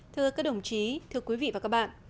thưa các đồng chí thưa quý vị và các bạn